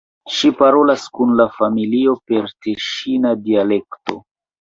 Ŝi parolas kun la familio per teŝina dialekto.